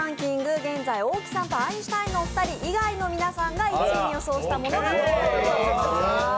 現在、大木さんとアインシュタインのお二人以外の皆さんが１位に予想したものが残っています